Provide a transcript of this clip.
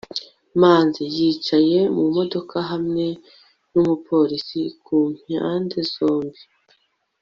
manzi yicaye mu modoka hamwe n'umupolisi ku mpande zombi